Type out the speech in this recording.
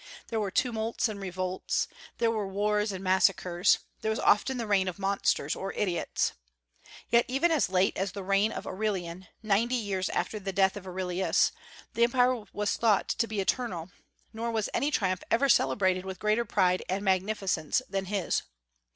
There were tumults and revolts; there were wars and massacres; there was often the reign of monsters or idiots. Yet even as late as the reign of Aurelian, ninety years after the death of Aurelius, the Empire was thought to be eternal; nor was any triumph ever celebrated with greater pride and magnificence than his.